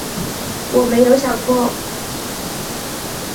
我没有想过